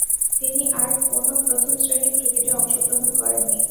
তিনি আর কোন প্রথম-শ্রেণীর ক্রিকেটে অংশগ্রহণ করেননি।